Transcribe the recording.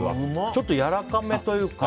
ちょっと、やわらかめというか。